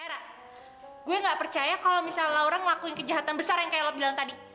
gue gak percaya kalau misalnya laura ngelakuin kejahatan besar yang kayak lo bilang tadi